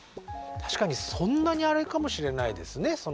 確かにそんなにあれかもしれないですね。